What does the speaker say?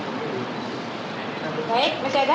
jangan sesuai dengan